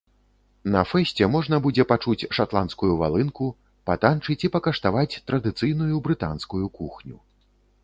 На фэсце можна будзе пачуць шатландскую валынку, патаньчыць і пакаштаваць традыцыйную брытанскую кухню.